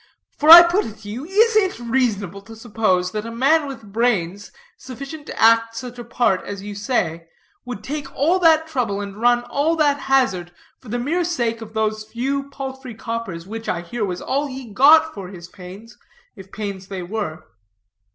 For I put it to you, is it reasonable to suppose that a man with brains, sufficient to act such a part as you say, would take all that trouble, and run all that hazard, for the mere sake of those few paltry coppers, which, I hear, was all he got for his pains, if pains they were?"